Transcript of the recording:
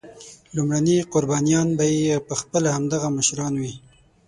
لومړني قربانیان به یې پخپله همدغه مشران وي.